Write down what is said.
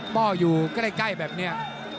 พ่ออยู่ใกล้แบบนี้